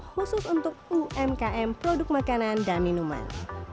khusus untuk umkm produk makanan dan minuman